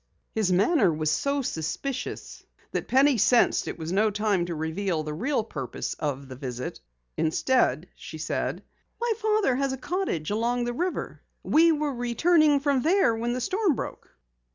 His manner was so suspicious that Penny sensed it was no time to reveal the real purpose of the visit. Instead she said: "My father has a cottage along the river. We were returning from there when the storm broke."